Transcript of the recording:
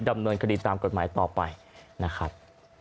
ดำเนินคดีตามกฎหมายต่อไปนะครับ